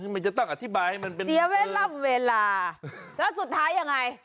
มันจะต้องอธิบายให้มันเป็นเสียเวลาแล้วสุดท้ายยังไง